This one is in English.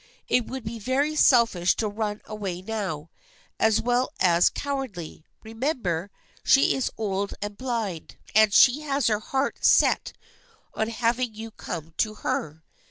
It would be very selfish to run away now, as well as cowardly. Remember she is old and blind, and she has set her heart on having you come to her.